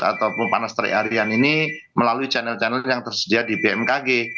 ataupun panas terik harian ini melalui channel channel yang tersedia di bmkg